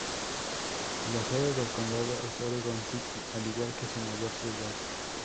La sede del condado es Oregon City, al igual que su mayor ciudad.